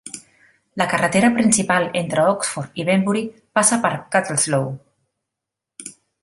La carretera principal entre Oxford i Banbury passa per Cutteslowe.